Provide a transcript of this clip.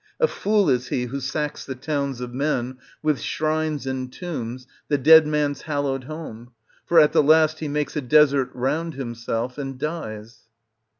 A fool is he who sacks the towns of men, with shrines and tombs, the dead man's hallowed home, for at the last he makes a desert round himself, and dies.